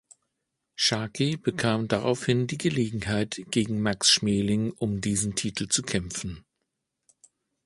Sharkey bekam daraufhin die Gelegenheit, gegen Max Schmeling um diesen Titel zu kämpfen.